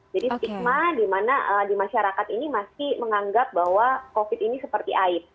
jadi stigma di mana di masyarakat ini masih menganggap bahwa covid sembilan belas ini seperti aib